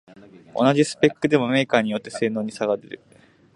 同じスペックでもメーカーによって性能に差が出る